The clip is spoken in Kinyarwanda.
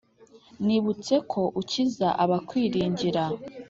Nibutse ko ukiza abakwiringira,